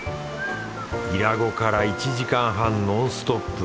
伊良湖から１時間半ノンストップ。